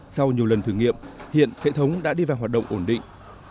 sau nhiều lần thử nghiệm hiện hệ thống đã đi vào hoạt động ổn định